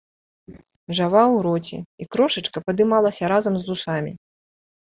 Жаваў у роце, і крошачка падымалася разам з вусамі.